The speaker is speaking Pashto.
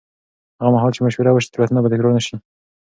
هغه مهال چې مشوره وشي، تېروتنه به تکرار نه شي.